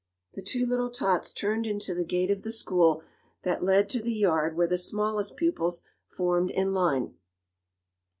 The two little tots turned into the gate of the school that led to the yard where the smallest pupils formed in line.